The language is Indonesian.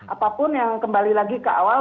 apapun yang kembali lagi ke awal